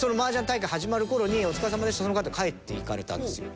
大会始まる頃に「お疲れさまでした」ってその方帰っていかれたんですよ。